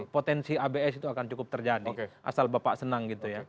potensi abs itu akan cukup terjadi asal bapak senang gitu ya